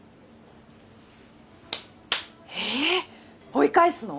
ええっ追い返すの？